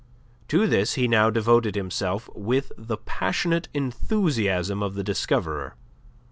To this he now devoted himself with the passionate enthusiasm of the discoverer.